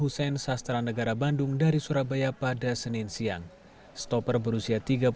untuk purwakayudi sudah baik dan purwakayudi juga siap